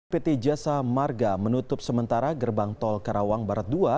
pt jasa marga menutup sementara gerbang tol karawang barat dua